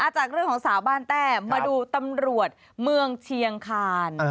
จากเรื่องของสาวบ้านแต้มาดูตำรวจเมืองเชียงคาน